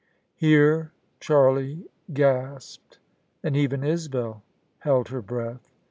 Here Charlie gasped, and even Isabel held her breath.